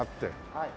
はい。